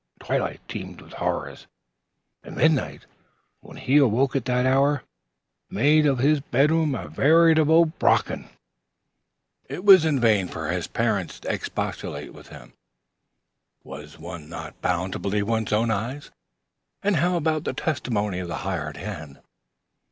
Twilight teemed with horrors, and midnight, when he awoke at that hour, made of his bedroom a veritable Brocken. It was vain for his parents to expostulate with him. Was one not bound to believe one's own eyes? And how about the testimony of the Hired Hand?